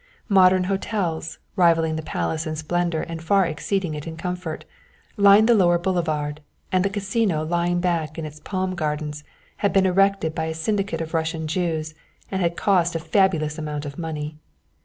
Modern hotels, rivalling the palace in splendour and far exceeding it in comfort, lined the lower boulevard, and the Casino lying back in its palm gardens had been erected by a syndicate of Russian Jews and had cost a fabulous amount of money.